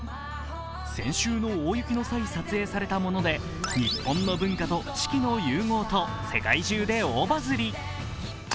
先週の大雪の際、撮影されたもので日本の文化と四季の融合と世界中で大バズリ。